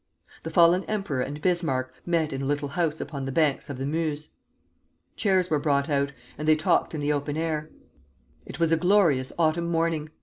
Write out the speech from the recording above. The fallen emperor and Bismarck met in a little house upon the banks of the Meuse. Chairs were brought out, and they talked in the open air. It was a glorious autumn morning.